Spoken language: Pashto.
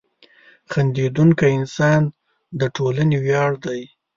• خندېدونکی انسان د ټولنې ویاړ دی.